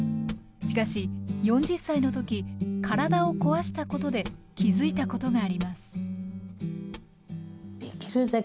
しかし４０歳の時体を壊したことで気付いたことがあります